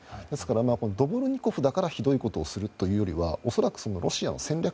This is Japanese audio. ドボルニコフだからひどいことをするというよりは恐らく、ロシアの戦略